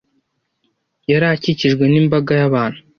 Yari akikijwe n'imbaga y'abantu.